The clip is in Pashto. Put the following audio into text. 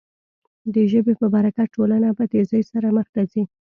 د ژبې په برکت ټولنه په تېزۍ سره مخ ته ځي.